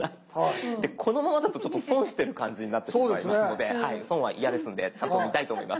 このままだとちょっと損してる感じになってしまいますので損は嫌ですのでちゃんと見たいと思います。